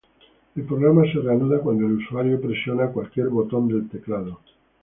El programa se reanuda cuando el usuario presiona cualquier botón del teclado.